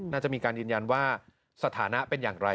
น่าจะมีการยืนยันว่าสถานะเป็นอย่างไร